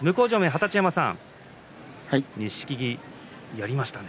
二十山さん、錦木やりましたね。